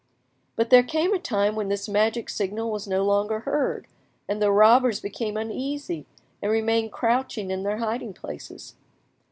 But there came a time when this magic signal was no longer heard, and the robbers became uneasy, and remained crouching in their hiding places.